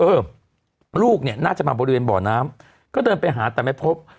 เออลูกเนี่ยน่าจะมาบริเวณบ่อน้ำก็เดินไปหาแต่ไม่พบ